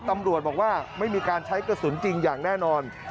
ตำรวจบอกว่าไม่มีการใช้กระสุนจริงอย่างแน่นอน